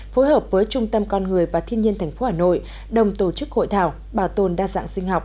phối hợp với trung tâm con người và thiên nhiên tp hà nội đồng tổ chức hội thảo bảo tồn đa dạng sinh học